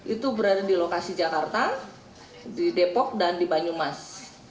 itu berada di lokasi jakarta di depok dan di banyumas